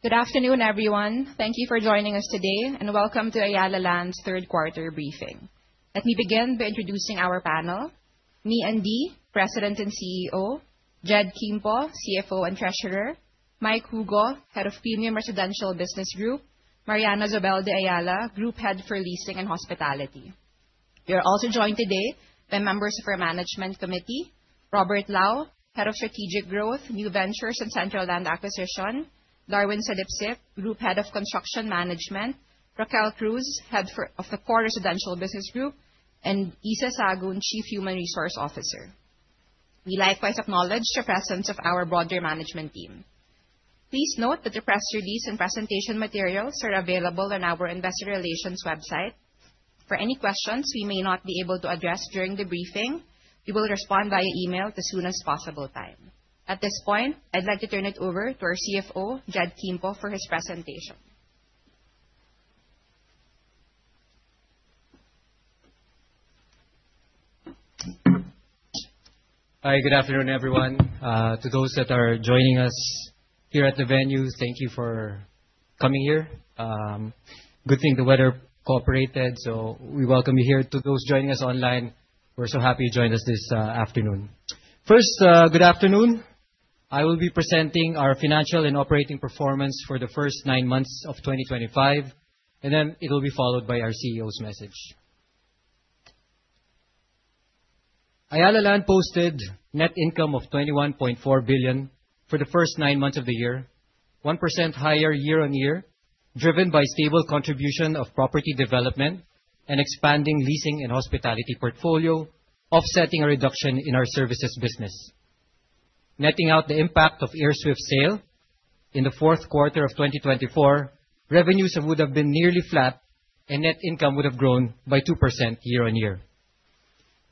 Good afternoon, everyone. Thank you for joining us today and welcome to Ayala Land's third quarter briefing. Let me begin by introducing our panel: me, Andie, President and CEO; Jed Kimpo, CFO and Treasurer; Mike Hugo, Head of Premium Residential Business Group; Mariana Zobel de Ayala, Group Head for Leasing and Hospitality. We are also joined today by members of our management committee: Robert S. Lao, Head of Strategic Growth, New Ventures, and Central Land Acquisition; Darwin Salipsip, Group Head of Construction Management; Raquel Cruz, Head of the Core Residential Business Group, and Issa Sagun, Chief Human Resources Officer. We likewise acknowledge the presence of our broader management team. Please note that the press release and presentation materials are available on our investor relations website. For any questions we may not be able to address during the briefing, we will respond via email as soon as possible time. At this point, I'd like to turn it over to our CFO, Jed Kimpo, for his presentation. Hi, good afternoon, everyone. To those that are joining us here at the venue, thank you for coming here. Good thing the weather cooperated, so we welcome you here. To those joining us online, we're so happy you joined us this afternoon. First, good afternoon. I will be presenting our financial and operating performance for the first nine months of 2025, and then it will be followed by our CEO's message. Ayala Land posted net income of 21.4 billion for the first nine months of the year, 1% higher year-on-year, driven by stable contribution of property development and expanding leasing and hospitality portfolio, offsetting a reduction in our services business. Netting out the impact of AirSWIFT's sale in the fourth quarter of 2024, revenues would have been nearly flat and net income would have grown by 2% year-on-year.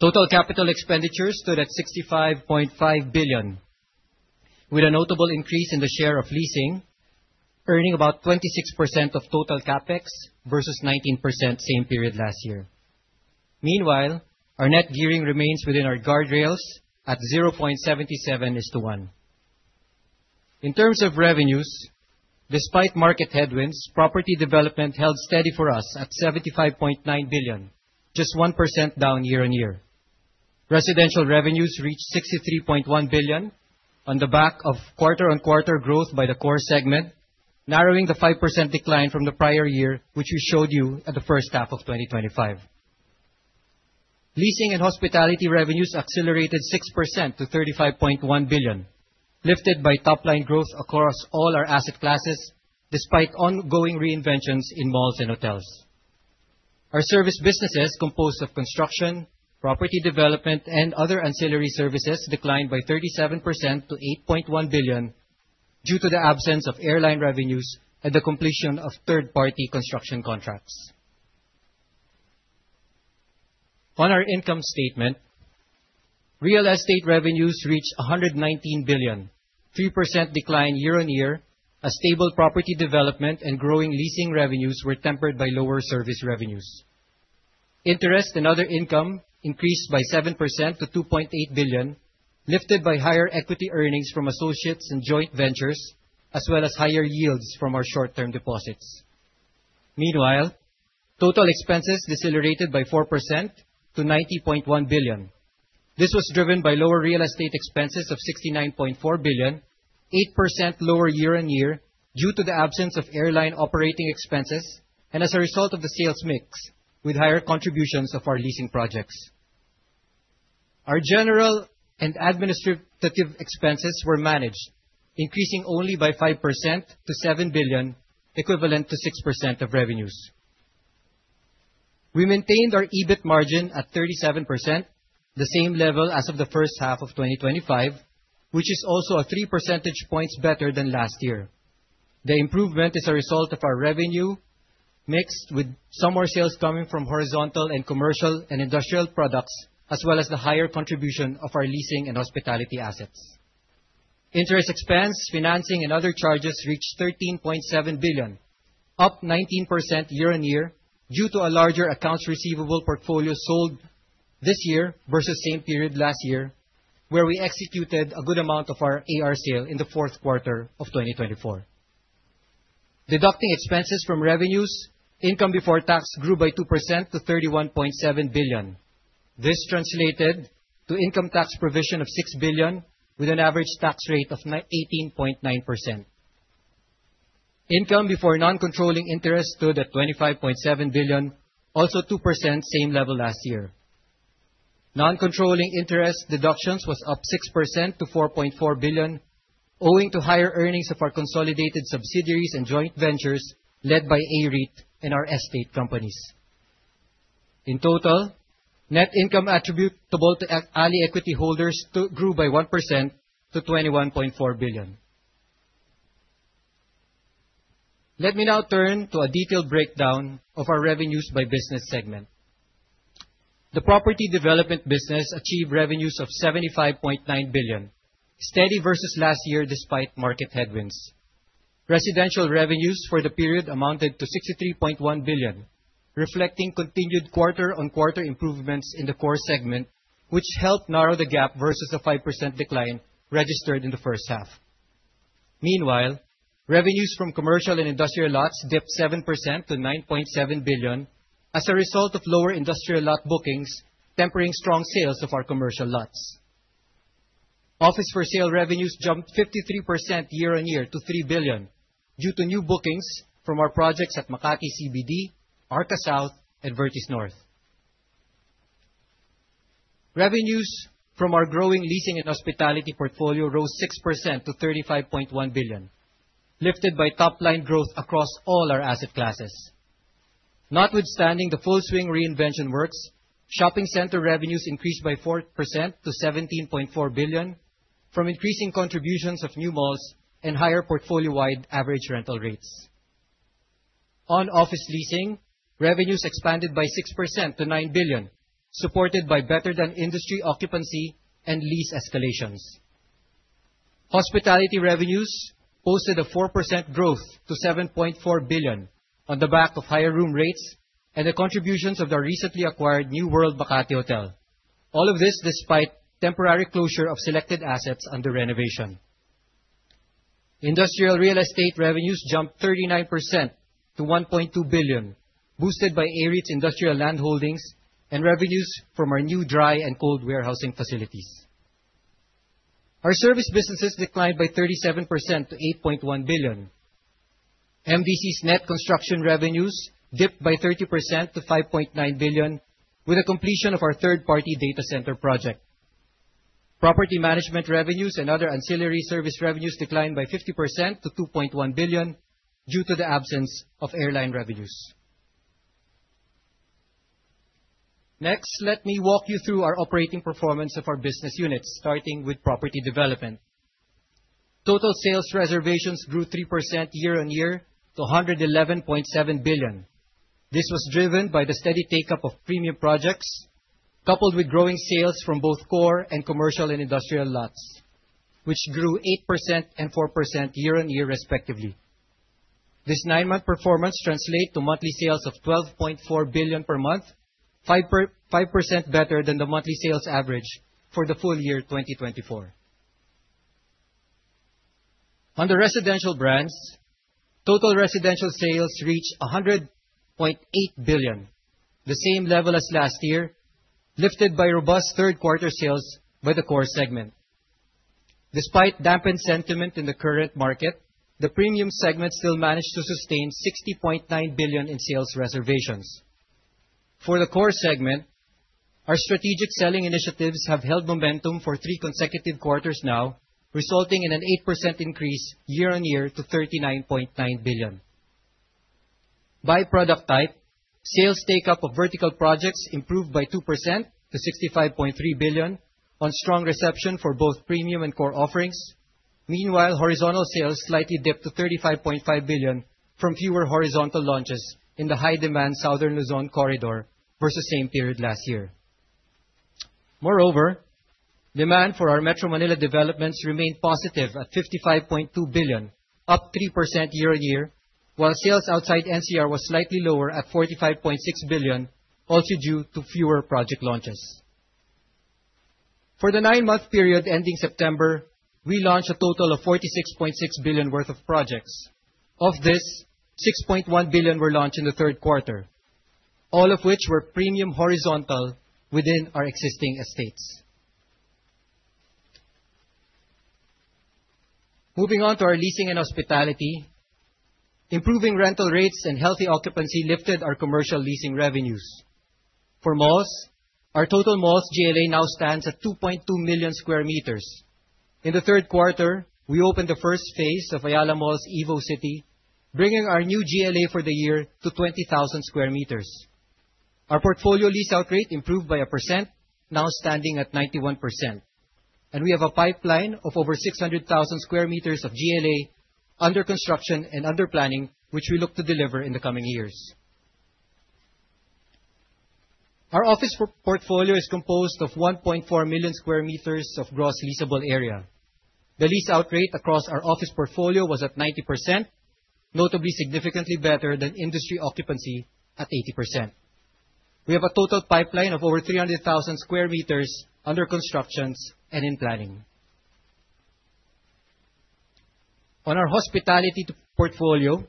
Total capital expenditures stood at 65.5 billion, with a notable increase in the share of leasing, earning about 26% of total CapEx versus 19% same period last year. Meanwhile, our net gearing remains within our guardrails at 0.77:1. In terms of revenues, despite market headwinds, property development held steady for us at 75.9 billion, just 1% down year-on-year. Residential revenues reached 63.1 billion on the back of quarter-on-quarter growth by the core segment, narrowing the 5% decline from the prior year, which we showed you at the first half of 2025. Leasing and hospitality revenues accelerated 6% to 35.1 billion, lifted by top-line growth across all our asset classes, despite ongoing reinventions in malls and hotels. Our service businesses, composed of construction, property development, and other ancillary services, declined by 37% to 8.1 billion due to the absence of airline revenues and the completion of third-party construction contracts. On our income statement, real estate revenues reached 119 billion, a 3% decline year-on-year as stable property development and growing leasing revenues were tempered by lower service revenues. Interest and other income increased by 7% to 2.8 billion, lifted by higher equity earnings from associates and joint ventures, as well as higher yields from our short-term deposits. Meanwhile, total expenses decelerated by 4% to 90.1 billion. This was driven by lower real estate expenses of 69.4 billion, 8% lower year-on-year due to the absence of airline operating expenses and as a result of the sales mix with higher contributions of our leasing projects. Our general and administrative expenses were managed, increasing only by 5% to 7 billion, equivalent to 6% of revenues. We maintained our EBIT margin at 37%, the same level as of the first half of 2025, which is also three percentage points better than last year. The improvement is a result of our revenue mix with some more sales coming from horizontal and commercial and industrial products, as well as the higher contribution of our leasing and hospitality assets. Interest expense, financing, and other charges reached PHP 13.7 billion, up 19% year-on-year due to a larger accounts receivable portfolio sold this year versus same period last year, where we executed a good amount of our AR sale in the fourth quarter of 2024. Deducting expenses from revenues, income before tax grew by 2% to 31.7 billion. This translated to income tax provision of 6 billion with an average tax rate of 18.9%. Income before non-controlling interest stood at 25.7 billion, also 2% same level last year. Non-controlling interest deductions were up 6% to 4.4 billion, owing to higher earnings of our consolidated subsidiaries and joint ventures led by AREIT and our estate companies. In total, net income attributable to ALI equity holders grew by 1% to 21.4 billion. Let me now turn to a detailed breakdown of our revenues by business segment. The property development business achieved revenues of 75.9 billion, steady versus last year despite market headwinds. Residential revenues for the period amounted to 63.1 billion. Reflecting continued quarter-on-quarter improvements in the core segment, which helped narrow the gap versus a 5% decline registered in the first half. Meanwhile, revenues from commercial and industrial lots dipped 7% to 9.7 billion as a result of lower industrial lot bookings tempering strong sales of our commercial lots. Office for sale revenues jumped 53% year-on-year to PHP 3 billion due to new bookings from our projects at Makati CBD, Arca South, and Vertis North. Revenues from our growing leasing and hospitality portfolio rose 6% to 35.1 billion, lifted by top-line growth across all our asset classes. Notwithstanding the full swing reinvention works, shopping center revenues increased by 4% to 17.4 billion from increasing contributions of new malls and higher portfolio-wide average rental rates. On office leasing, revenues expanded by 6% to 9 billion, supported by better than industry occupancy and lease escalations. Hospitality revenues posted a 4% growth to 7.4 billion on the back of higher room rates and the contributions of the recently acquired New World Makati Hotel. All of this despite temporary closure of selected assets under renovation. Industrial real estate revenues jumped 39% to 1.2 billion, boosted by AREIT's industrial land holdings and revenues from our new dry and cold warehousing facilities. Our service businesses declined by 37% to 8.1 billion. MDC's net construction revenues dipped by 30% to 5.9 billion with the completion of our third-party data center project. Property management revenues and other ancillary service revenues declined by 50% to 2.1 billion due to the absence of airline revenues. Let me walk you through our operating performance of our business units, starting with property development. Total sales reservations grew 3% year-on-year to 111.7 billion. This was driven by the steady take-up of premium projects, coupled with growing sales from both core and commercial and industrial lots, which grew 8% and 4% year-on-year respectively. This nine-month performance translates to monthly sales of 12.4 billion per month, 5% better than the monthly sales average for the full year 2024. On the residential brands, total residential sales reached 100.8 billion, the same level as last year, lifted by robust third-quarter sales by the core segment. Despite dampened sentiment in the current market, the premium segment still managed to sustain 60.9 billion in sales reservations. For the core segment, our strategic selling initiatives have held momentum for three consecutive quarters now, resulting in an 8% increase year-on-year to 39.9 billion. By product type, sales take-up of vertical projects improved by 2% to 65.3 billion on strong reception for both premium and core offerings. Meanwhile, horizontal sales slightly dipped to 35.5 billion from fewer horizontal launches in the high-demand Southern Luzon corridor versus the same period last year. Demand for our Metro Manila developments remained positive at 55.2 billion, up 3% year-on-year, while sales outside NCR was slightly lower at 45.6 billion, also due to fewer project launches. For the nine-month period ending September, we launched a total of 46.6 billion worth of projects. Of this, 6.1 billion were launched in the third quarter, all of which were premium horizontal within our existing estates. Our leasing and hospitality, improving rental rates and healthy occupancy lifted our commercial leasing revenues. For malls, our total malls GLA now stands at 2.2 million square meters. In the third quarter, we opened the first phase of Ayala Malls EvoCity, bringing our new GLA for the year to 20,000 square meters. Our portfolio lease-out rate improved by a percent, now standing at 91%, and we have a pipeline of over 600,000 square meters of GLA under construction and under planning, which we look to deliver in the coming years. Our office portfolio is composed of 1.4 million square meters of gross leasable area. The lease-out rate across our office portfolio was at 90%, notably significantly better than industry occupancy at 80%. We have a total pipeline of over 300,000 square meters under constructions and in planning. On our hospitality portfolio,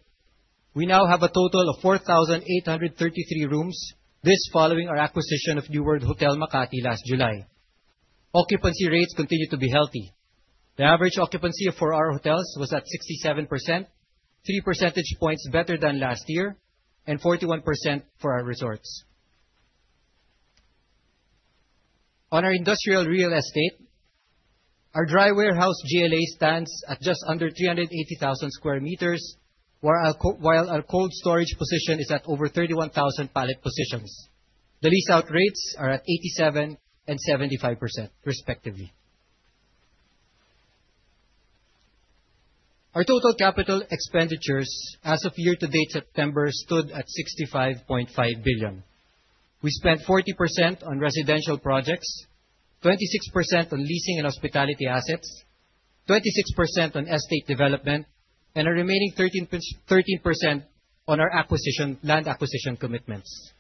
we now have a total of 4,833 rooms, this following our acquisition of New World Makati Hotel last July. Occupancy rates continue to be healthy. The average occupancy for our hotels was at 67%, three percentage points better than last year, and 41% for our resorts. On our industrial real estate, our dry warehouse GLA stands at just under 380,000 sq m, while our cold storage position is at over 31,000 pallet positions. The lease-out rates are at 87% and 75%, respectively. Our total CapEx as of year-to-date September stood at 65.5 billion. We spent 40% on residential projects, 26% on leasing and hospitality assets, 26% on estate development, and the remaining 13% on our land acquisition commitments.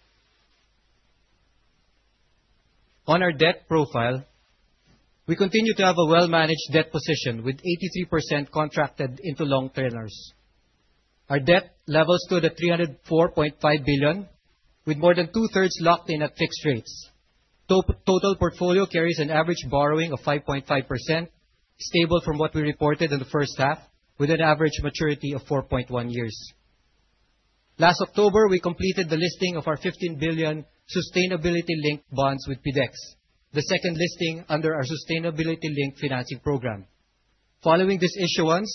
On our debt profile, we continue to have a well-managed debt position with 83% contracted into long tenors. Our debt levels stood at 304.5 billion, with more than two-thirds locked in at fixed rates. Total portfolio carries an average borrowing of 5.5%, stable from what we reported in the first half, with an average maturity of 4.1 years. Last October, we completed the listing of our 15 billion sustainability-linked bonds with PDEX, the second listing under our sustainability-linked financing program. Following this issuance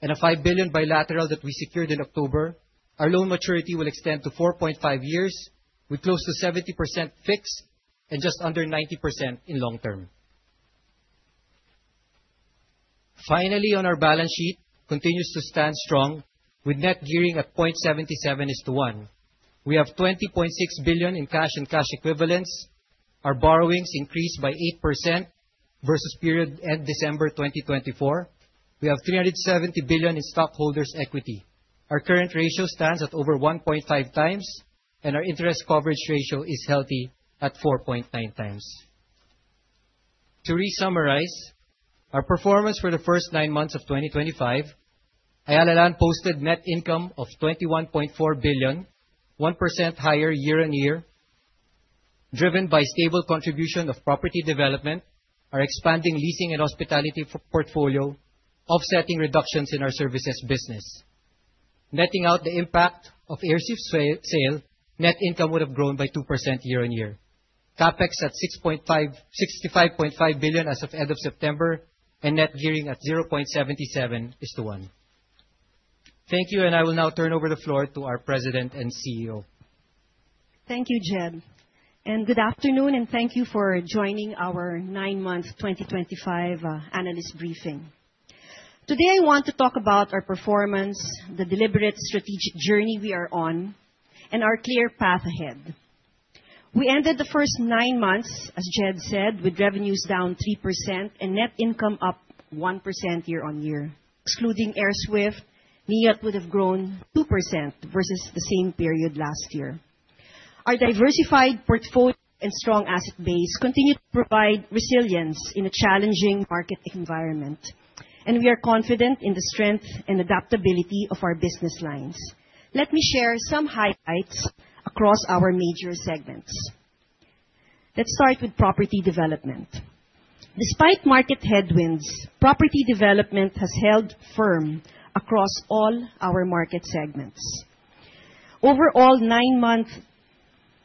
and a 5 billion bilateral that we secured in October, our loan maturity will extend to 4.5 years, with close to 70% fixed and just under 90% in long-term. Finally, our balance sheet continues to stand strong with net gearing at 0.77 is to one. We have 20.6 billion in cash and cash equivalents. Our borrowings increased by 8% versus period end December 2024. We have 370 billion in stockholders' equity. Our current ratio stands at over 1.5 times, and our interest coverage ratio is healthy at 4.9 times. To re-summarize our performance for the first nine months of 2025, Ayala Land posted net income of 21.4 billion, 1% higher year-on-year, driven by stable contribution of property development, our expanding leasing and hospitality portfolio offsetting reductions in our services business. Netting out the impact of AirSWIFT's sale, net income would have grown by 2% year-on-year. CapEx at 65.5 billion as of end of September and net gearing at 0.77 is to 1. Thank you. I will now turn over the floor to our President and CEO. Thank you, Jed. Good afternoon, and thank you for joining our nine-month 2025 analyst briefing. Today, I want to talk about our performance, the deliberate strategic journey we are on, our clear path ahead. We ended the first nine months, as Jed said, with revenues down 3% and net income up 1% year-on-year. Excluding AirSWIFT, NIAT would have grown 2% versus the same period last year. Our diversified portfolio and strong asset base continue to provide resilience in a challenging market environment, we are confident in the strength and adaptability of our business lines. Let me share some highlights across our major segments. Let's start with property development. Despite market headwinds, property development has held firm across all our market segments. Overall 9-month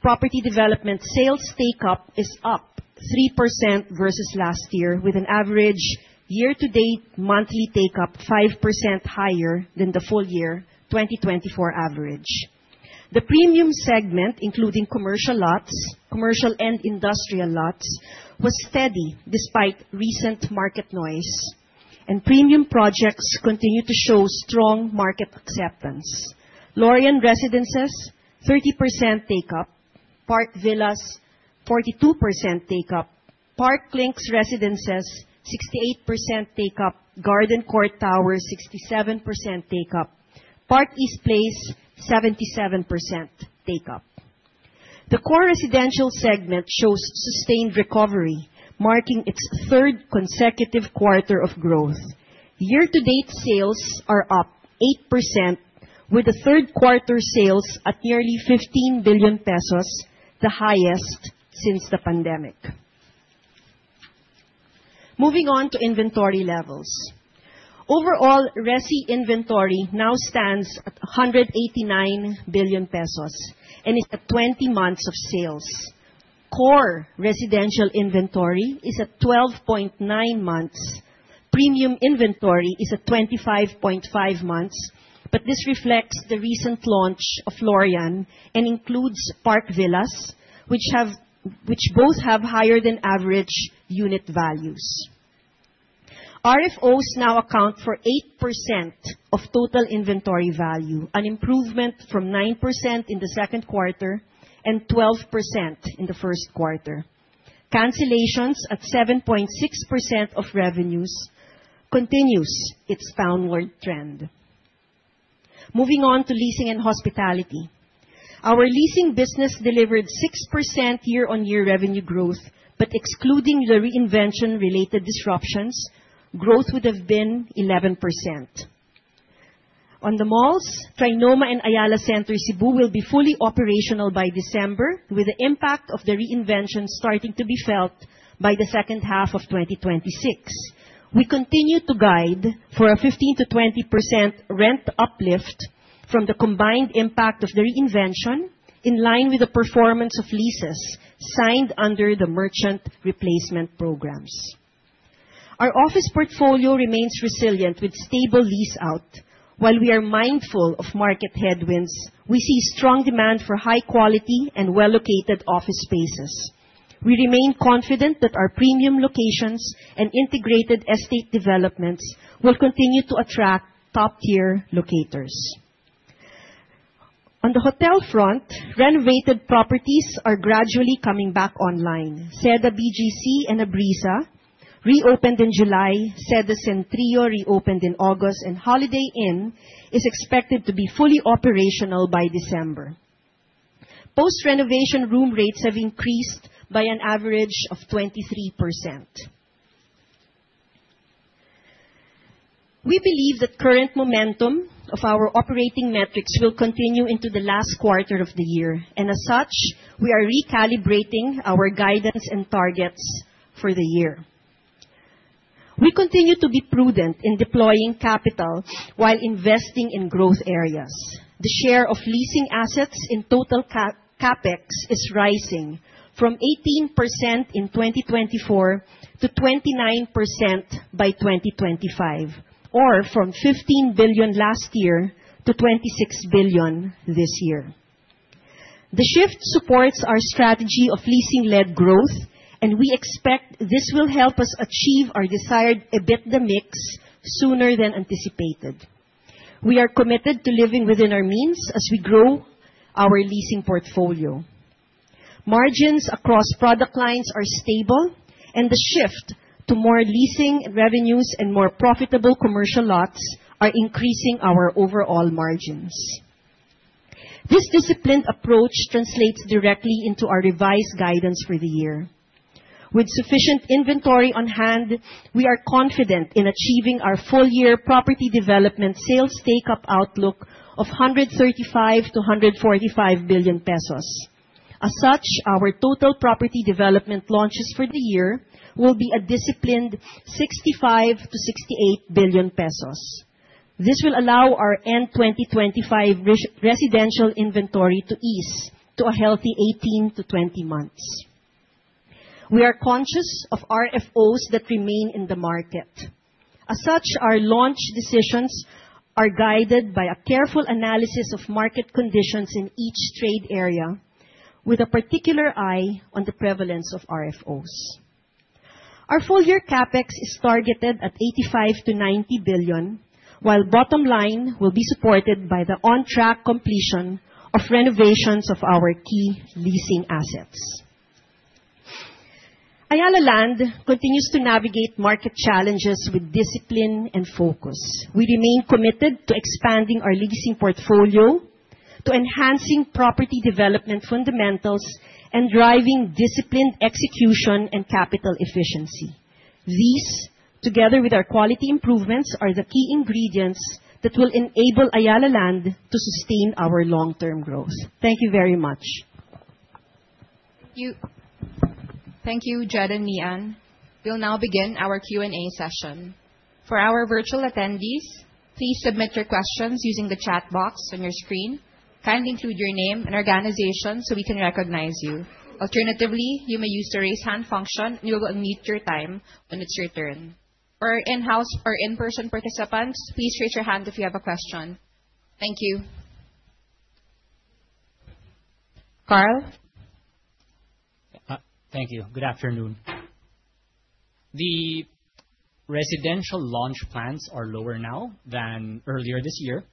property development sales take-up is up 3% versus last year, with an average year-to-date monthly take-up 5% higher than the full year 2024 average. The premium segment, including commercial and industrial lots, was steady despite recent market noise, and premium projects continue to show strong market acceptance. Laurean Residences, 30% take-up. Park Villas, 42% take-up. Parklinks Residences, 68% take-up. Gardencourt Residences, 67% take-up. Park East Place, 77% take-up. The core residential segment shows sustained recovery, marking its third consecutive quarter of growth. Year-to-date sales are up 8%, with the third quarter sales at nearly 15 billion pesos, the highest since the pandemic. Moving on to inventory levels. Overall resi inventory now stands at 189 billion pesos and is at 20 months of sales. Core residential inventory is at 12.9 months. Premium inventory is at 25.5 months, but this reflects the recent launch of Laurean and includes Park Villas, which both have higher than average unit values. RFOs now account for 8% of total inventory value, an improvement from 9% in the second quarter and 12% in the first quarter. Cancellations at 7.6% of revenues continues its downward trend. Moving on to leasing and hospitality. Our leasing business delivered 6% year-over-year revenue growth. Excluding the reinvention-related disruptions, growth would have been 11%. On the malls, Trinoma and Ayala Center Cebu will be fully operational by December, with the impact of the reinvention starting to be felt by the second half of 2026. We continue to guide for a 15%-20% rent uplift from the combined impact of the reinvention, in line with the performance of leases signed under the merchant replacement programs. Our office portfolio remains resilient with stable lease out. While we are mindful of market headwinds, we see strong demand for high quality and well-located office spaces. We remain confident that our premium locations and integrated estate developments will continue to attract top-tier locators. On the hotel front, renovated properties are gradually coming back online. Seda BGC and Abreeza reopened in July, Seda Centrio reopened in August, and Holiday Inn is expected to be fully operational by December. Post-renovation room rates have increased by an average of 23%. We believe that current momentum of our operating metrics will continue into the last quarter of the year. As such, we are recalibrating our guidance and targets for the year. We continue to be prudent in deploying capital while investing in growth areas. The share of leasing assets in total CapEx is rising from 18% in 2024 to 29% by 2025, or from 15 billion last year to 26 billion this year. The shift supports our strategy of leasing-led growth, and we expect this will help us achieve our desired EBITDA mix sooner than anticipated. We are committed to living within our means as we grow our leasing portfolio. Margins across product lines are stable, and the shift to more leasing revenues and more profitable commercial lots are increasing our overall margins. This disciplined approach translates directly into our revised guidance for the year. With sufficient inventory on hand, we are confident in achieving our full-year property development sales take-up outlook of 135 billion-145 billion pesos. Our total property development launches for the year will be a disciplined 65 billion-68 billion pesos. This will allow our end 2025 residential inventory to ease to a healthy 18-20 months. We are conscious of RFOs that remain in the market. As such, our launch decisions are guided by a careful analysis of market conditions in each trade area, with a particular eye on the prevalence of RFOs. Our full-year CapEx is targeted at 85 billion-90 billion, while bottom line will be supported by the on-track completion of renovations of our key leasing assets. Ayala Land continues to navigate market challenges with discipline and focus. We remain committed to expanding our leasing portfolio, to enhancing property development fundamentals, and driving disciplined execution and capital efficiency. These, together with our quality improvements, are the key ingredients that will enable Ayala Land to sustain our long-term growth. Thank you very much. Thank you, Jed and Mian. We'll now begin our Q&A session. For our virtual attendees, please submit your questions using the chat box on your screen. Kindly include your name and organization so we can recognize you. Alternatively, you may use the raise hand function, you will unmute your time when it's your turn. For in-house or in-person participants, please raise your hand if you have a question. Thank you. Carl? Thank you. Good afternoon. Residential launch plans are lower now than earlier this year.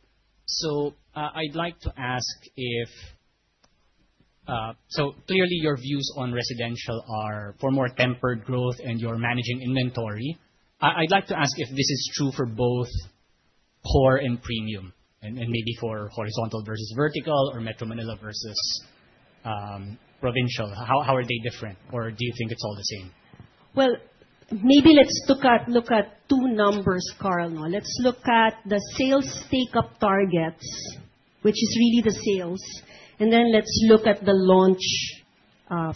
Clearly, your views on residential are for more tempered growth and you're managing inventory. I'd like to ask if this is true for both core and premium and maybe for horizontal versus vertical or Metro Manila versus provincial. How are they different, or do you think it's all the same? Well, maybe let's look at two numbers, Carl. Let's look at the sales take-up targets, which is really the sales, and then let's look at the launch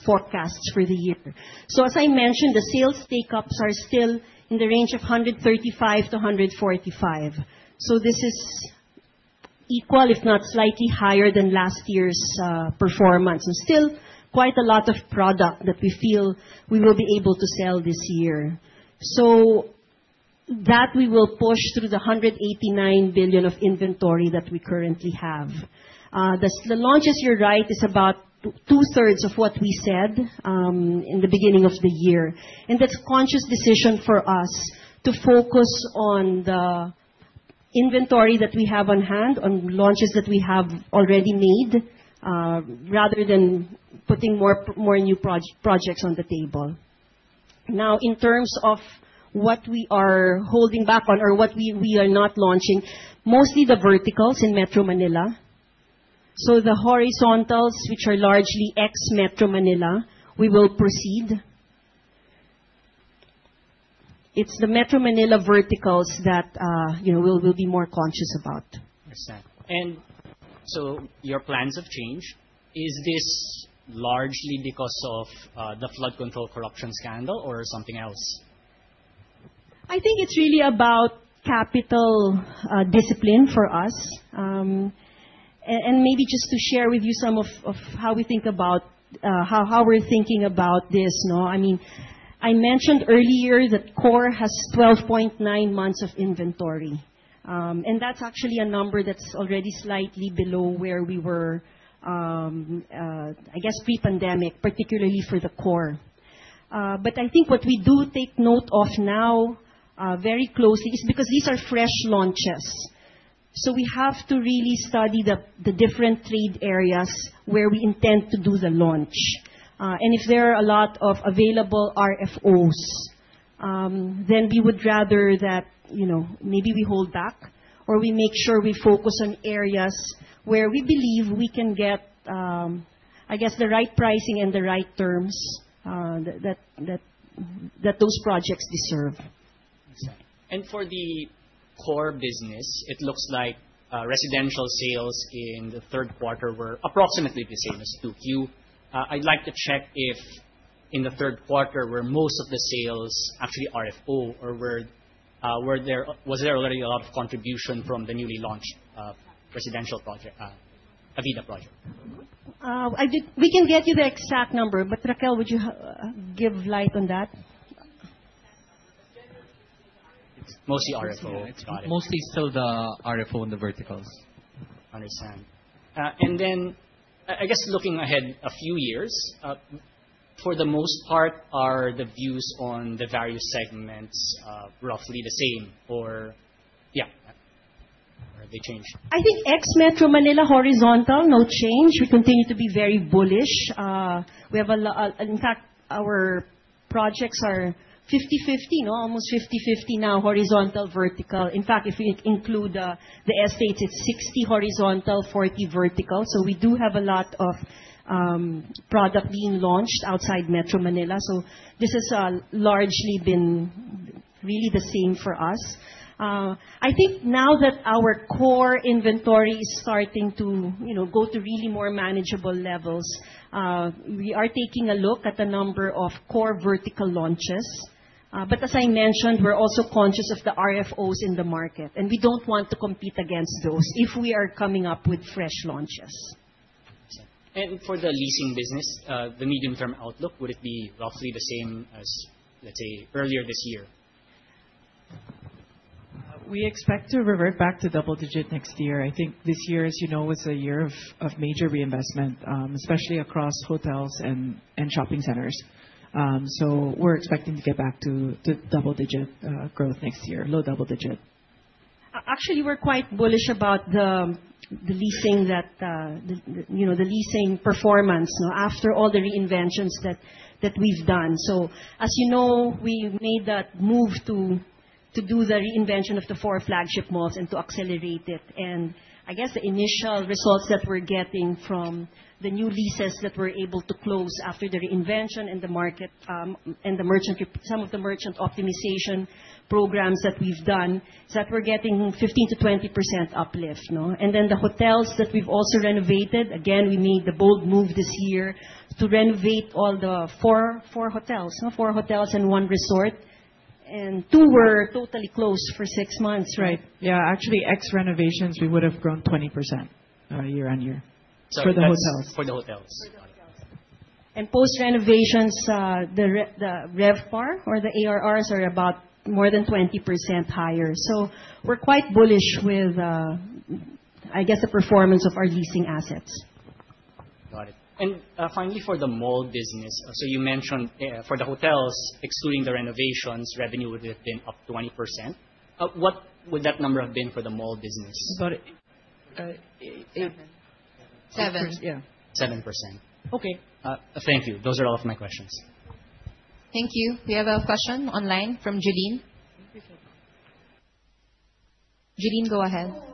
forecasts for the year. As I mentioned, the sales take-ups are still in the range of 135-145. This is equal, if not slightly higher than last year's performance and still quite a lot of product that we feel we will be able to sell this year. That we will push through the 189 billion of inventory that we currently have. The launches, you're right, is about two-thirds of what we said in the beginning of the year, and that's a conscious decision for us to focus on the inventory that we have on hand, on launches that we have already made rather than putting more new projects on the table. In terms of what we are holding back on or what we are not launching, mostly the verticals in Metro Manila. The horizontals, which are largely ex-Metro Manila, we will proceed. It's the Metro Manila verticals that we'll be more conscious about. Understood. Your plans have changed. Is this largely because of the flood control corruption scandal or something else? I think it's really about capital discipline for us. Maybe just to share with you some of how we're thinking about this. I mean I mentioned earlier that core has 12.9 months of inventory. That's actually a number that's already slightly below where we were pre-pandemic, particularly for the core. I think what we do take note of now very closely is because these are fresh launches. We have to really study the different trade areas where we intend to do the launch. If there are a lot of available RFOs, then we would rather that maybe we hold back, or we make sure we focus on areas where we believe we can get the right pricing and the right terms that those projects deserve. Exactly. For the core business, it looks like residential sales in the third quarter were approximately the same as 2Q. I'd like to check if in the third quarter were most of the sales actually RFO or was there already a lot of contribution from the newly launched Avida project? We can get you the exact number, Raquel, would you give light on that? It's mostly RFO. Got it. Mostly still the RFO and the verticals. Understand. I guess looking ahead a few years, for the most part, are the views on the various segments roughly the same or have they changed? I think ex Metro Manila horizontal, no change. We continue to be very bullish. In fact, our projects are almost 50/50 now, horizontal, vertical. In fact, if we include the estates, it's 60 horizontal, 40 vertical. We do have a lot of product being launched outside Metro Manila. This has largely been really the same for us. I think now that our core inventory is starting to go to really more manageable levels, we are taking a look at the number of core vertical launches. As I mentioned, we're also conscious of the RFOs in the market, and we don't want to compete against those if we are coming up with fresh launches. For the leasing business, the medium-term outlook, would it be roughly the same as, let's say, earlier this year? We expect to revert back to double-digit next year. I think this year, as you know, was a year of major reinvestment, especially across hotels and shopping centers. We're expecting to get back to double-digit growth next year. Low double-digit. Actually, we're quite bullish about the leasing performance after all the reinventions that we've done. As you know, we made that move to do the reinvention of the four flagship malls and to accelerate it. I guess the initial results that we're getting from the new leases that we're able to close after the reinvention and some of the merchant optimization programs that we've done is that we're getting 15%-20% uplift. The hotels that we've also renovated, again, we made the bold move this year to renovate all the four hotels and one resort, and two were totally closed for six months, right? Yeah. Actually, ex renovations, we would've grown 20% year-on-year. For the hotels. For the hotels. For the hotels. Post renovations, the RevPAR or the ARRs are about more than 20% higher. We're quite bullish with the performance of our leasing assets. Got it. Finally, for the mall business. You mentioned for the hotels, excluding the renovations, revenue would have been up 20%. What would that number have been for the mall business? About seven. Seven. Yeah. 7%. Okay. Thank you. Those are all of my questions. Thank you. We have a question online from Jeline. Jeline, go ahead.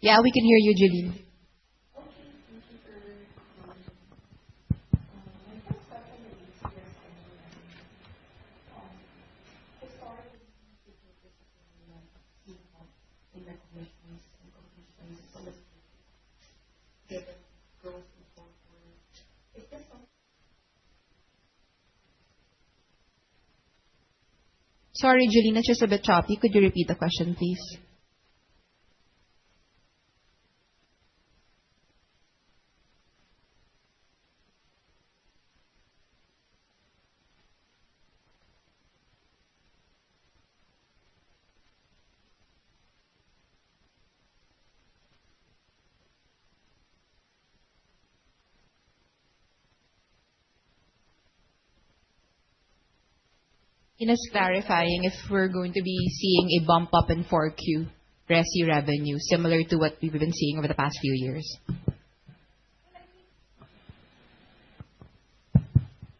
Yeah, we can hear you, Jeline. Okay. Thank you for your time. My first question would be Given growth going forward, is there Sorry, Jeline. It's just a bit choppy. Could you repeat the question, please? It's clarifying if we're going to be seeing a bump up in 4Q resi revenue similar to what we've been seeing over the past few years.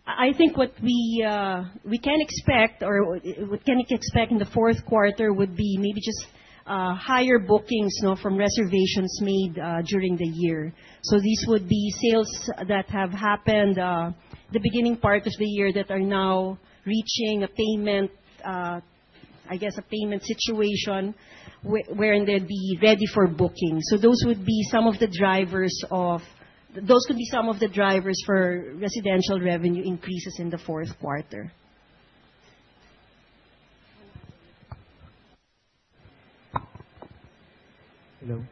I think what we can expect in the fourth quarter would be maybe just higher bookings from reservations made during the year. These would be sales that have happened the beginning part of the year that are now reaching a payment situation wherein they'd be ready for booking. Those could be some of the drivers for residential revenue increases in the fourth quarter. Hello.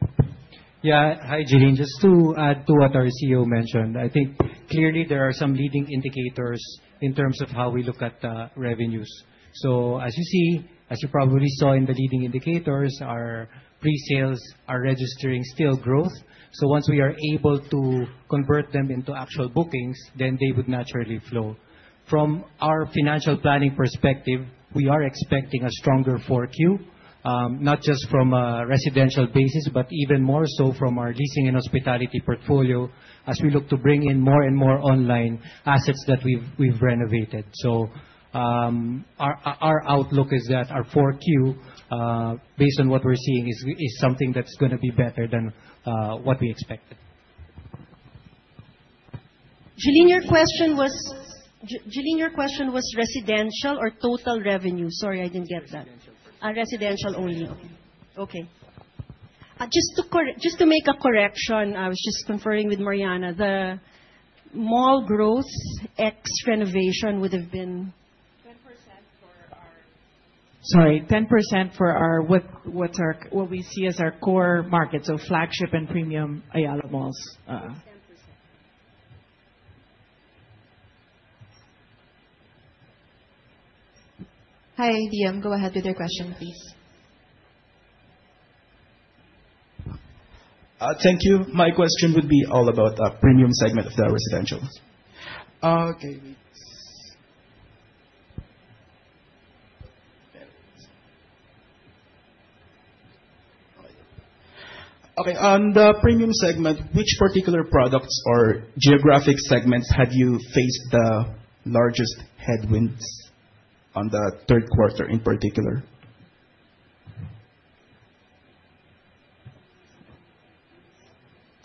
Yeah. Hi, Jillian. Just to add to what our CEO mentioned, I think clearly there are some leading indicators in terms of how we look at revenues. As you probably saw in the leading indicators, our pre-sales are registering still growth. Once we are able to convert them into actual bookings, they would naturally flow. From our financial planning perspective, we are expecting a stronger four Q, not just from a residential basis, but even more so from our leasing and hospitality portfolio, as we look to bring in more and more online assets that we've renovated. Our outlook is that our four Q, based on what we're seeing, is something that's going to be better than what we expected. Jillian, your question was residential or total revenue? Sorry, I didn't get that. Residential. Residential only. Okay. Just to make a correction, I was just conferring with Mariana. The mall growth ex renovation would've been? Sorry, 10% for what we see as our core market, so flagship and premium Ayala Malls. It's 10%. Hi, VM, go ahead with your question, please. Thank you. My question would be all about premium segment of the residential. Okay. Yes. Okay. On the premium segment, which particular products or geographic segments have you faced the largest headwinds on the third quarter in particular?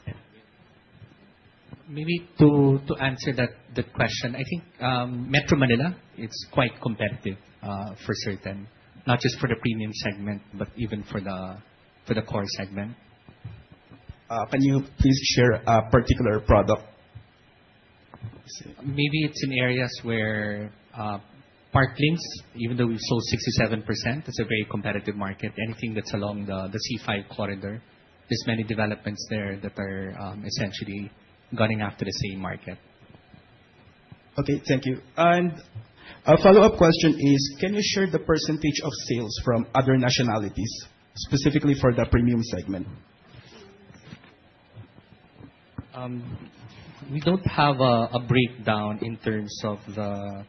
Yeah. Maybe to answer the question, I think Metro Manila is quite competitive for certain, not just for the premium segment, but even for the core segment. Can you please share a particular product? Maybe it's in areas where Parklinks, even though we've sold 67%, it's a very competitive market. Anything that's along the C5 corridor. There's many developments there that are essentially gunning after the same market. Okay, thank you. A follow-up question is, can you share the % of sales from other nationalities, specifically for the premium segment? We don't have a breakdown in terms of the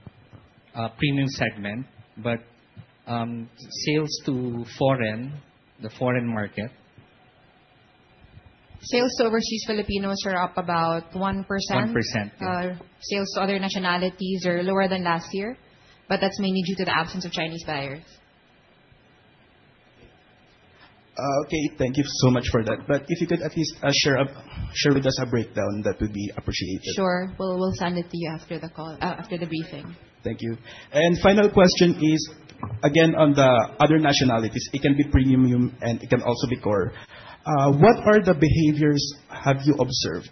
premium segment. Sales to the foreign market. Sales to overseas Filipinos are up about 1%. 1%, yeah. Sales to other nationalities are lower than last year, but that's mainly due to the absence of Chinese buyers. Okay, thank you so much for that. If you could at least share with us a breakdown, that would be appreciated. Sure. We'll send it to you after the briefing. Thank you. Final question is, again, on the other nationalities, it can be premium and it can also be core. What are the behaviors have you observed?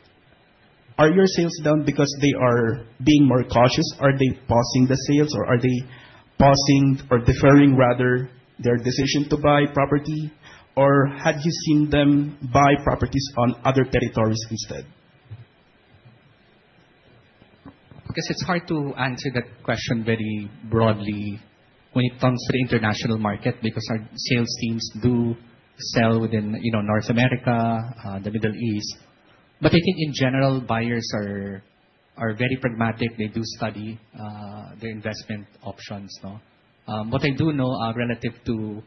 Are your sales down because they are being more cautious? Are they pausing the sales or are they pausing or deferring, rather, their decision to buy property? Have you seen them buy properties on other territories instead? I guess it's hard to answer that question very broadly when it comes to the international market because our sales teams do sell within North America, the Middle East. I think in general, buyers are very pragmatic. They do study their investment options. What I do know, relative to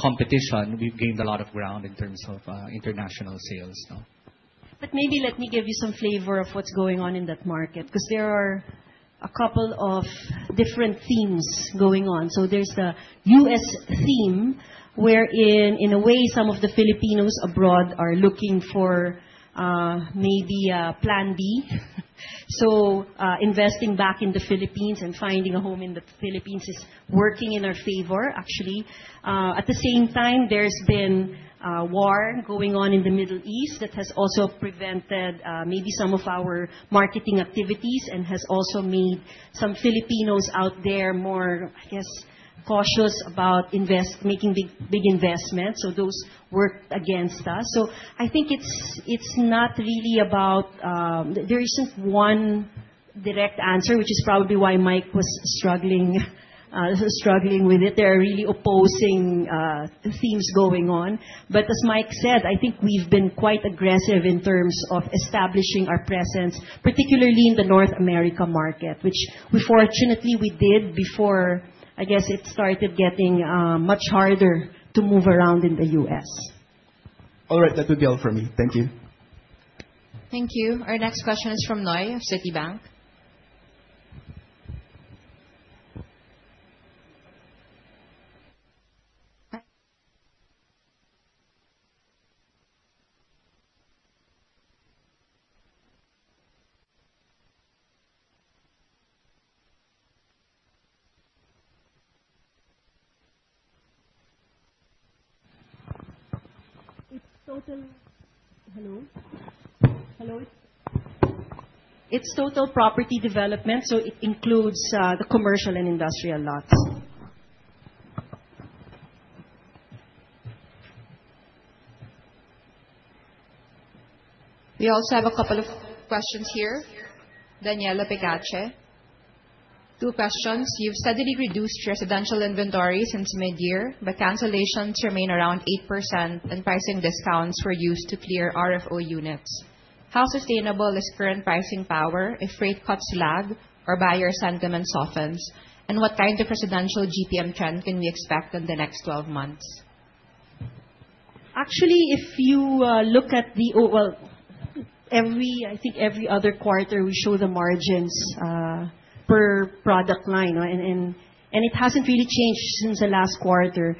competition, we've gained a lot of ground in terms of international sales. Maybe let me give you some flavor of what's going on in that market, because there are a couple of different themes going on. There's the U.S. theme, where in a way, some of the Filipinos abroad are looking for maybe a plan B. Investing back in the Philippines and finding a home in the Philippines is working in our favor, actually. At the same time, there's been a war going on in the Middle East that has also prevented maybe some of our marketing activities and has also made some Filipinos out there more cautious about making big investments. Those worked against us. I think there isn't one direct answer, which is probably why Mike was struggling with it. There are really opposing themes going on. As Mike said, I think we've been quite aggressive in terms of establishing our presence, particularly in the North America market, which fortunately we did before it started getting much harder to move around in the U.S. All right. That would be all for me. Thank you. Thank you. Our next question is from Noy of Citi. It's total property development, so it includes the commercial and industrial lots. We also have a couple of questions here. Daniela Pecache. Two questions. You've steadily reduced residential inventory since mid-year, but cancellations remain around 8% and pricing discounts were used to clear RFO units. How sustainable is current pricing power if rate cuts lag or buyer sentiment softens? What kind of residential GPM trend can we expect in the next 12 months? Actually, I think every other quarter we show the margins per product line, and it hasn't really changed since the last quarter.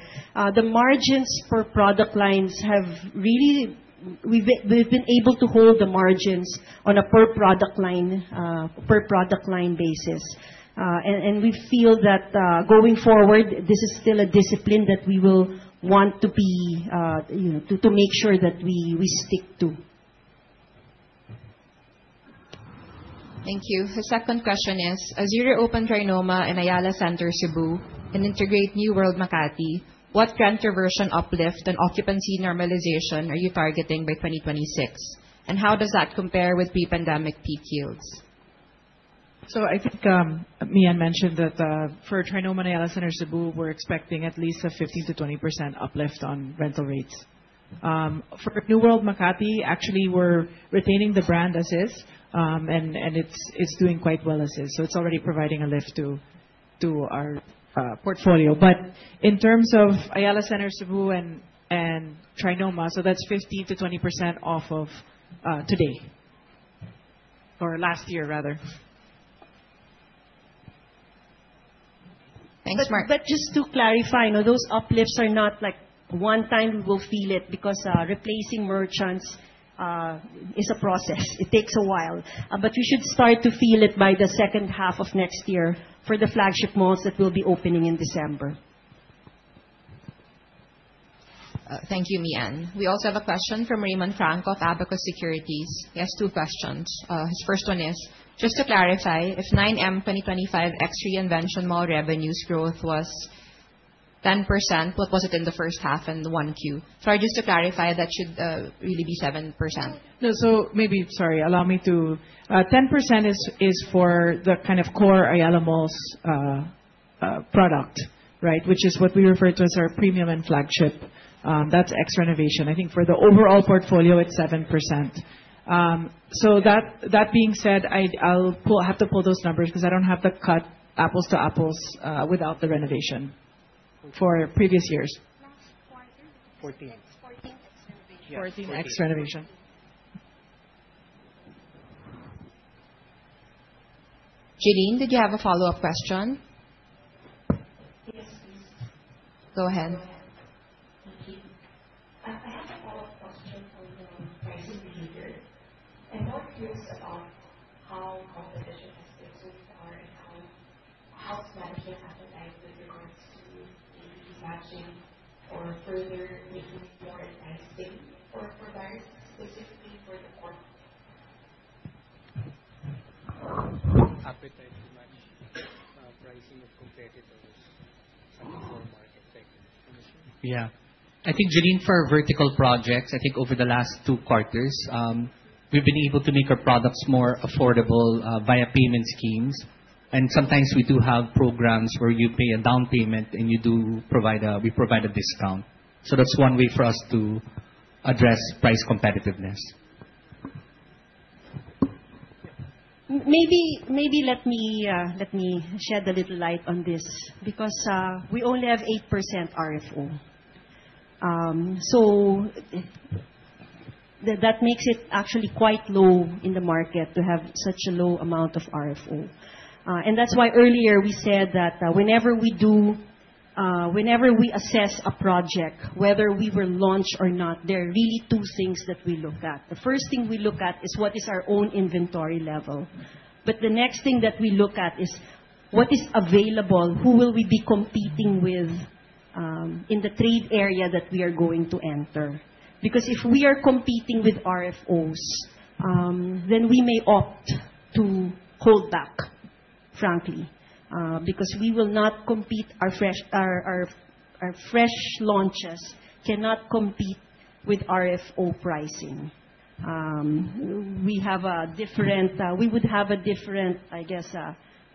We've been able to hold the margins on a per product line basis. We feel that going forward, this is still a discipline that we will want to make sure that we stick to. Thank you. Her second question is, as you reopen Trinoma and Ayala Center Cebu and integrate New World Makati, what rent reversion uplift and occupancy normalization are you targeting by 2026, and how does that compare with pre-pandemic peak yields? I think Mian mentioned that for Trinoma and Ayala Center Cebu, we're expecting at least a 15%-20% uplift on rental rates. For New World Makati, actually, we're retaining the brand as is, and it's doing quite well as is. It's already providing a lift to our portfolio. In terms of Ayala Center Cebu and Trinoma, that's 15%-20% off of today, or last year rather. Thanks, Marie. Just to clarify, those uplifts are not like one time we will feel it because replacing merchants is a process. It takes a while. You should start to feel it by the second half of next year for the flagship malls that will be opening in December. Thank you, Mian. We also have a question from Raymond Franco of Abacus Securities. He has two questions. His first one is, just to clarify, if 9M 2025 ex reinvention mall revenues growth was 10%, what was it in the first half and 1Q? Sorry, just to clarify, that should really be 7%. No. Sorry, allow me to. 10% is for the kind of core Ayala Malls product, which is what we refer to as our premium and flagship. That's ex renovation. I think for the overall portfolio, it's 7%. That being said, I'll have to pull those numbers because I don't have the cut apples to apples without the renovation for previous years. Last quarter. 14. 14 ex renovation. Yeah, 14. 14 ex renovation. Jeline, did you have a follow-up question? Yes, please. Go ahead. Thank you. I have a follow-up question on the pricing behavior. I'm more curious about how competition has been so far and how management appetized with regards to maybe matching or further making it more enticing for buyers, specifically for the core. Appetite to match pricing of competitors in the core market. Thank you. Am I right? Yeah. I think Jeline, for our vertical projects, I think over the last 2 quarters, we've been able to make our products more affordable via payment schemes. Sometimes we do have programs where you pay a down payment and we provide a discount. That's one way for us to address price competitiveness. Maybe let me shed a little light on this because we only have 8% RFO. That makes it actually quite low in the market to have such a low amount of RFO. That's why earlier we said that whenever we assess a project, whether we will launch or not, there are really two things that we look at. The first thing we look at is what is our own inventory level. The next thing that we look at is what is available, who will we be competing with in the trade area that we are going to enter. If we are competing with RFOs, then we may opt to hold back, frankly, because our fresh launches cannot compete with RFO pricing. We would have a different, I guess,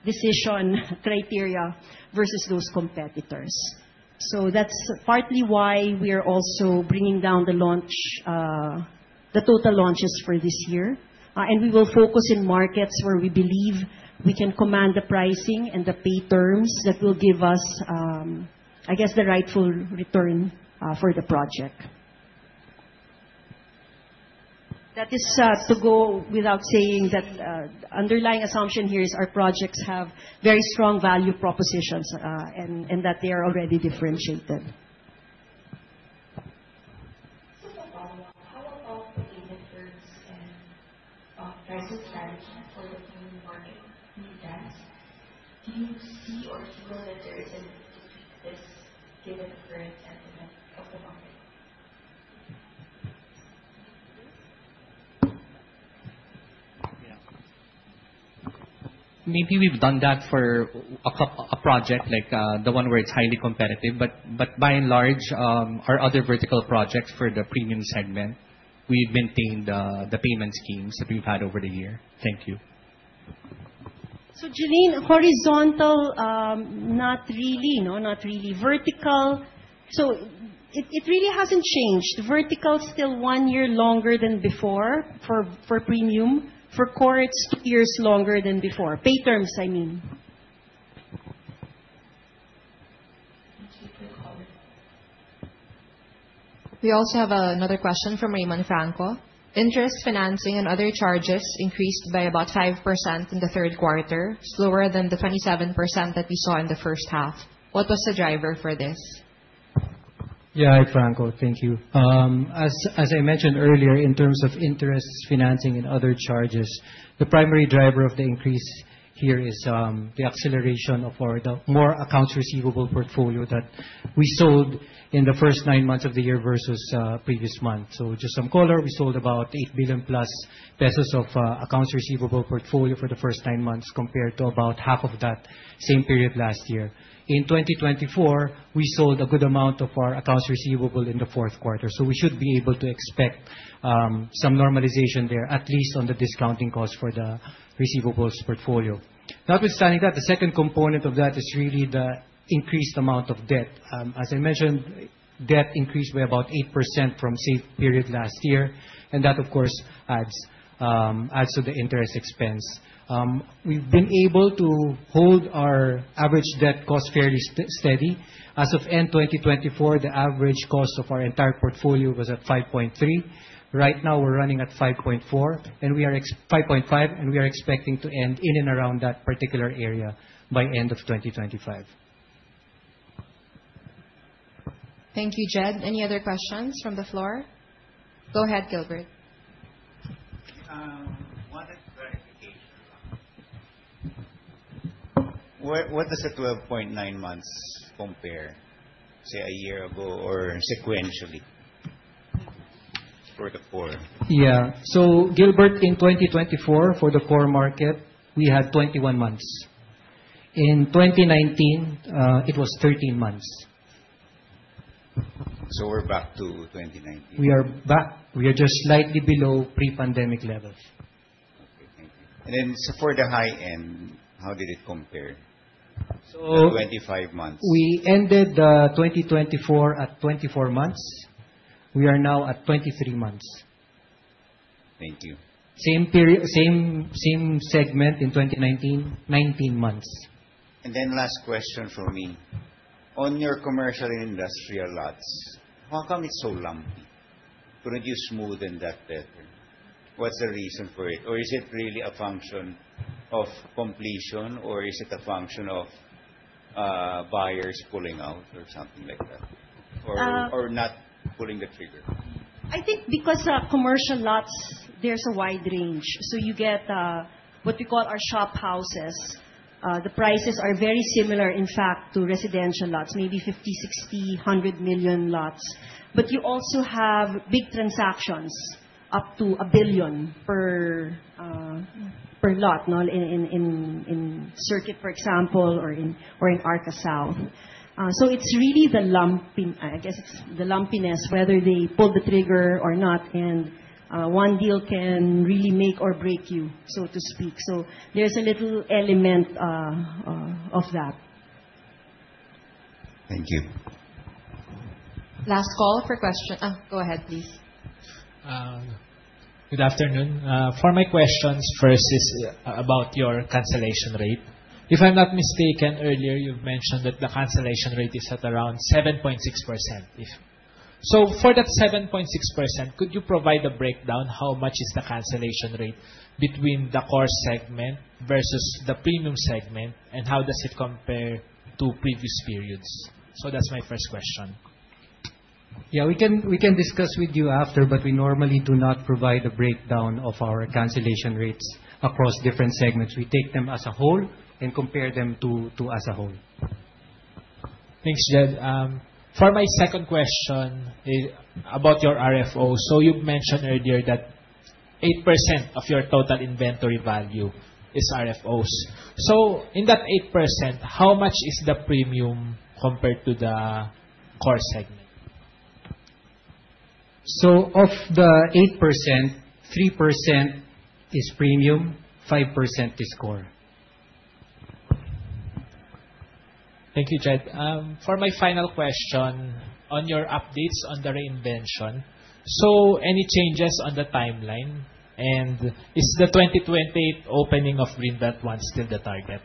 decision criteria versus those competitors. That's partly why we are also bringing down the total launches for this year. We will focus in markets where we believe we can command the pricing and the pay terms that will give us, I guess, the rightful return for the project. That is to go without saying that underlying assumption here is our projects have very strong value propositions and that they are already differentiated. Just a follow-up. How about the payment terms and Pricing strategy for the premium market in terms. Do you see opportunity there in this given current sentiment of the market? Yeah. Maybe we've done that for a project like the one where it's highly competitive. By and large, our other vertical projects for the premium segment, we've maintained the payment schemes that we've had over the year. Thank you. Jeline, horizontal, not really, no. Not really vertical. It really hasn't changed. Vertical's still one year longer than before for premium. For core, it's two years longer than before. Pay terms, I mean. We also have another question from Raymond Franco. Interest financing and other charges increased by about 5% in the third quarter, slower than the 27% that we saw in the first half. What was the driver for this? Yeah. Hi, Franco. Thank you. As I mentioned earlier, in terms of interest financing and other charges, the primary driver of the increase here is the acceleration of our more accounts receivable portfolio that we sold in the first nine months of the year versus previous month. Just some color, we sold about 8 billion pesos plus of accounts receivable portfolio for the first nine months compared to about half of that same period last year. In 2024, we sold a good amount of our accounts receivable in the fourth quarter. We should be able to expect some normalization there, at least on the discounting cost for the receivables portfolio. Notwithstanding that, the second component of that is really the increased amount of debt. As I mentioned, debt increased by about 8% from same period last year, and that, of course, adds to the interest expense. We've been able to hold our average debt cost fairly steady. As of end 2024, the average cost of our entire portfolio was at 5.3. Right now, we're running at 5.4, and we are 5.5, and we are expecting to end in and around that particular area by end of 2025. Thank you, Jed. Any other questions from the floor? Go ahead, Gilbert. One clarification. What does the 12.9 months compare, say, a year ago or sequentially for the core? Yeah. Gilbert, in 2024, for the core market, we had 21 months. In 2019, it was 13 months. We're back to 2019. We are back. We are just slightly below pre-pandemic levels. Okay. Thank you. For the high end, how did it compare? 25 months. We ended 2024 at 24 months. We are now at 23 months. Thank you. Same period, same segment in 2019, 19 months. Last question from me. On your commercial and industrial lots, how come it's so lumpy? Could you smoothen that better? What's the reason for it? Is it really a function of completion, is it a function of buyers pulling out or something like that? Not pulling the trigger? I think because commercial lots, there's a wide range. You get what we call our shop houses. The prices are very similar, in fact, to residential lots, maybe 50 million, 60 million, 100 million lots. You also have big transactions, up to 1 billion per lot in Circuit, for example, or in Arca South. I guess it's the lumpiness, whether they pull the trigger or not, and one deal can really make or break you, so to speak. There's a little element of that. Thank you. Last call for question. Go ahead, please. Good afternoon. For my questions, first is about your cancellation rate. If I'm not mistaken, earlier you've mentioned that the cancellation rate is at around 7.6%. For that 7.6%, could you provide a breakdown how much is the cancellation rate between the core segment versus the premium segment, and how does it compare to previous periods? That's my first question. Yeah, we can discuss with you after. We normally do not provide a breakdown of our cancellation rates across different segments. We take them as a whole and compare them to as a whole. Thanks, Jed. For my second question about your RFO. You've mentioned earlier that 8% of your total inventory value is RFOs. In that 8%, how much is the premium compared to the core segment? Of the 8%, 3% is premium, 5% is core. Thank you, Jed. For my final question on your updates on the reinvention. Any changes on the timeline, and is the 2028 opening of Greenbelt 1 still the target?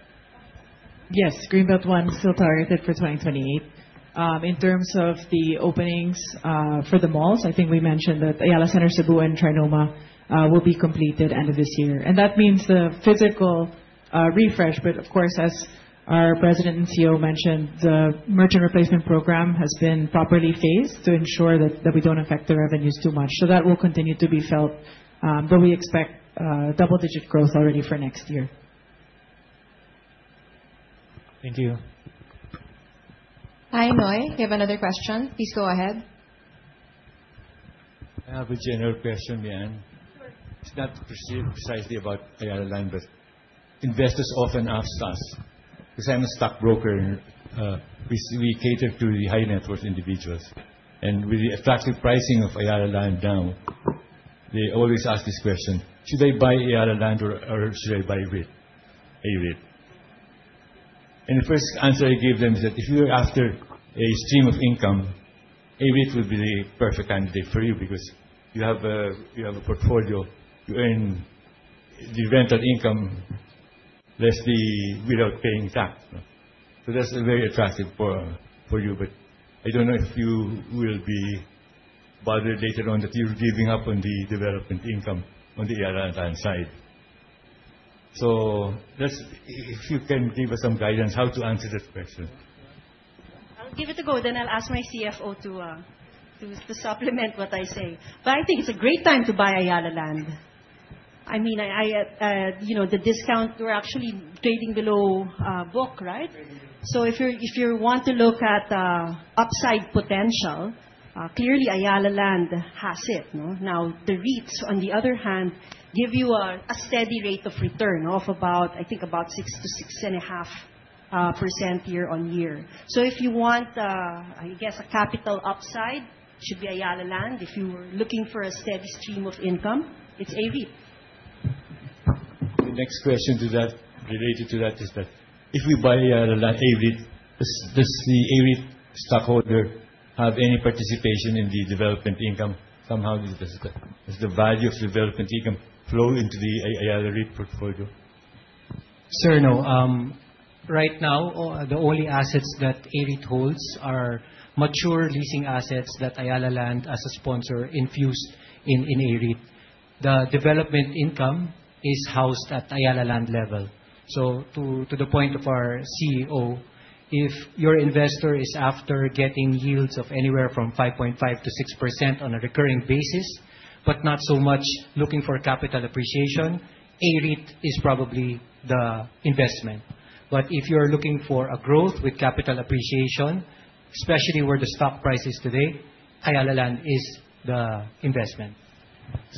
Yes. Greenbelt 1 is still targeted for 2028. In terms of the openings for the malls, I think we mentioned that Ayala Center Cebu and Trinoma will be completed end of this year. That means the physical refresh. Of course, as our President and CEO mentioned, the merchant replacement program has been properly phased to ensure that we don't affect the revenues too much. That will continue to be felt, but we expect double-digit growth already for next year. Thank you. Hi, Noy. You have another question? Please go ahead. I have a general question, Mian. Sure. It's not perceived precisely about Ayala Land, but Investors often ask us, because I'm a stockbroker, and we cater to the high-net-worth individuals. With the attractive pricing of Ayala Land now, they always ask this question: Should I buy Ayala Land or should I buy AREIT? The first answer I give them is that if you are after a stream of income, AREIT will be the perfect candidate for you because you have a portfolio. You earn the rental income, lastly, without paying tax. This is very attractive for you. I don't know if you will be bothered later on that you're giving up on the development income on the Ayala Land side. If you can give us some guidance on how to answer that question. I'll give it a go, then I'll ask my CFO to supplement what I say. I think it's a great time to buy Ayala Land. The discount, we're actually trading below book, right? Trading below book. If you want to look at the upside potential, clearly Ayala Land has it. The REITs, on the other hand, give you a steady rate of return of about 6%-6.5% year-on-year. If you want, I guess, a capital upside, it should be Ayala Land. If you are looking for a steady stream of income, it's AREIT. The next question to that, related to that, is that if we buy AREIT, does the AREIT stockholder have any participation in the development income somehow? Does the value of development income flow into the AREIT portfolio? Sir, no. Right now, the only assets that AREIT holds are mature leasing assets that Ayala Land, as a sponsor, infused in AREIT. The development income is housed at Ayala Land level. To the point of our CEO, if your investor is after getting yields of anywhere from 5.5%-6% on a recurring basis, but not so much looking for capital appreciation, AREIT is probably the investment. If you're looking for growth with capital appreciation, especially where the stock price is today, Ayala Land is the investment.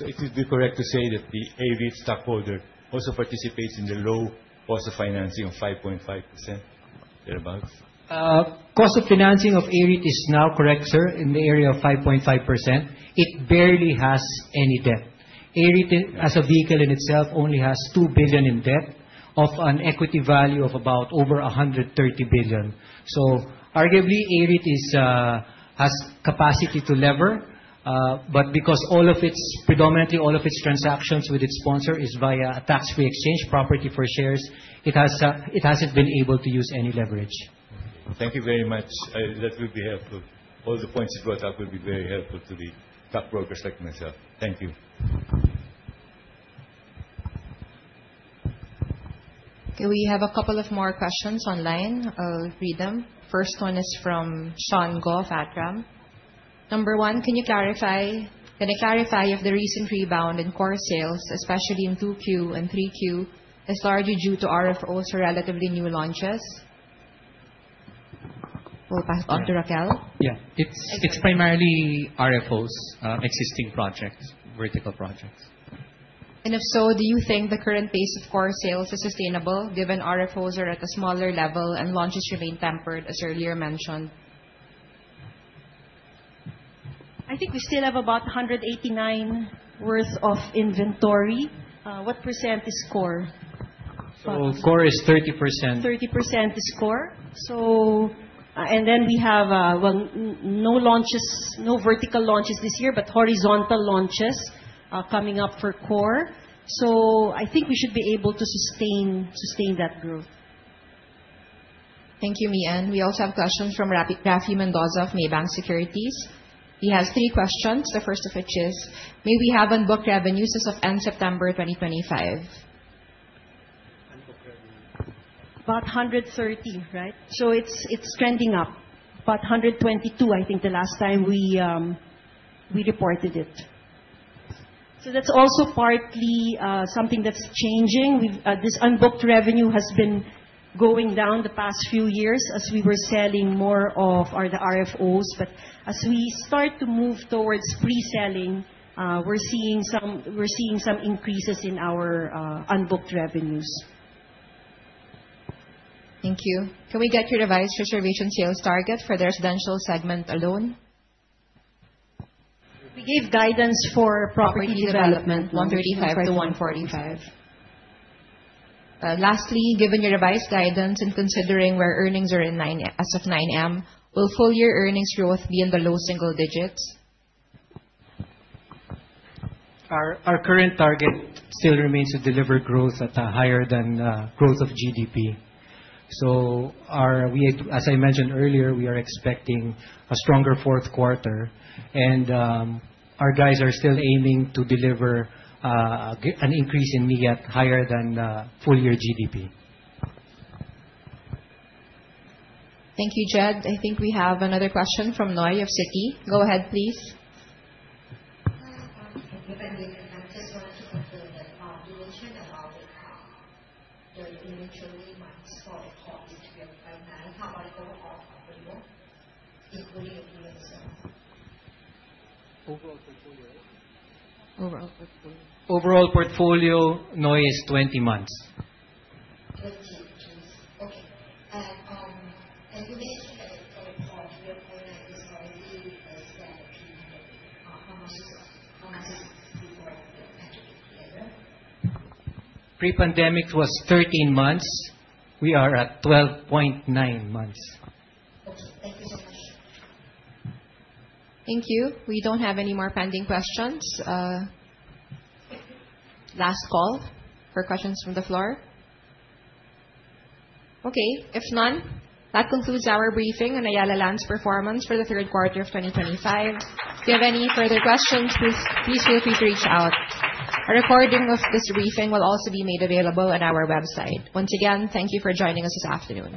It is correct to say that the AREIT stockholder also participates in the low cost of financing of 5.5%, thereabouts? Cost of financing of AREIT is now correct, sir, in the area of 5.5%. It barely has any debt. AREIT, as a vehicle in itself, only has $2 billion in debt of an equity value of about over $130 billion. Arguably, AREIT has capacity to lever, but because predominantly all of its transactions with its sponsor is via a tax-free exchange, property for shares, it hasn't been able to use any leverage. Thank you very much. That will be helpful. All the points you brought up will be very helpful to the stockbrokers like myself. Thank you. We have a couple of more questions online. I'll read them. First one is from Sean Goh of ATRAM. Number 1, can you clarify if the recent rebound in core sales, especially in 2Q and 3Q, is largely due to RFOs for relatively new launches? We'll pass it on to Raquel. It's primarily RFOs, existing projects, vertical projects. If so, do you think the current pace of core sales is sustainable given RFOs are at a smaller level and launches remain tempered, as earlier mentioned? I think we still have about 189 worth of inventory. What % is core? Core is 30%. 30% is core. We have no vertical launches this year, but horizontal launches are coming up for core. I think we should be able to sustain that growth. Thank you, Mian. We also have questions from Raffy Mendoza of Maybank Securities. He has three questions, the first of which is, may we have unbooked revenues as of end September 2025? Unbooked revenue. About 130, right? It's trending up. About 122, I think, the last time we reported it. That's also partly something that's changing. This unbooked revenue has been going down the past few years as we were selling more of the RFOs. As we start to move towards pre-selling, we're seeing some increases in our unbooked revenues. Thank you. Can we get your revised reservation sales target for the residential segment alone? We gave guidance for property development, 135-145. Given your revised guidance and considering where earnings are as of 9M, will full-year earnings growth be in the low single digits? Our current target still remains to deliver growth at higher than growth of GDP. As I mentioned earlier, we are expecting a stronger fourth quarter, and our guys are still aiming to deliver an increase in NIAT higher than full-year GDP. Thank you, Jed. I think we have another question from Noy of Citi. Go ahead, please. Hi. Thank you. I just wanted to confirm that you mentioned about how your inventory months for the property development, how much of all portfolio, including APO and so on? Overall portfolio. Overall portfolio. Overall portfolio, Noy, is 20 months. 20 months. Okay. For the inventory of property development, is already because then it can get how much months before you actually get together? Pre-pandemic, it was 13 months. We are at 12.9 months. Okay. Thank you so much. Thank you. We don't have any more pending questions. Last call for questions from the floor. Okay, if none, that concludes our briefing on Ayala Land's performance for the third quarter of 2025. If you have any further questions, please feel free to reach out. A recording of this briefing will also be made available on our website. Once again, thank you for joining us this afternoon